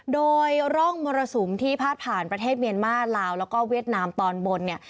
โดยร่องมรสุมที่พาดผ่านประเทศเมียนมาลาวแล้วก็เวียดนามตอนบนเนี่ย